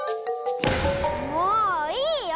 もういいよ！